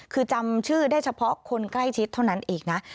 คือจำชื่อได้เฉพาะคนใกล้ชิดเท่านั้นเองนะ